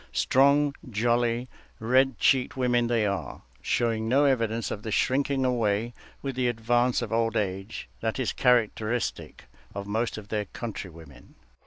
Strong, jolly, red cheeked women they are, showing no evidence of the shrinking away with the advance of old age that is characteristic of most of their countrywomen.